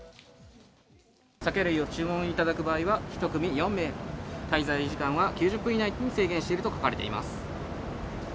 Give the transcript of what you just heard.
酒類を注文いただく場合は、１組４名、滞在時間は９０分以内に制限していると書かれています。